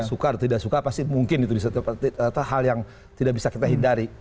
suka atau tidak suka pasti mungkin itu hal yang tidak bisa kita hindari